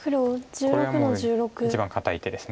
これはもう一番堅い手です。